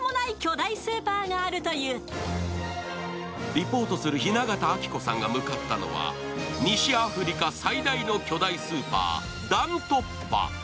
リポートする雛形あきこさんが向かったのは西アフリカ最大の巨大スーパー、ダントッパ。